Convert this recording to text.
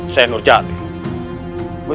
saya nur jatuh